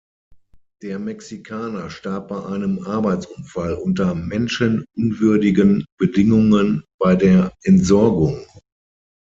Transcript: Der Mexikaner starb bei einem Arbeitsunfall unter menschenunwürdigen Bedingungen bei der Entsorgung.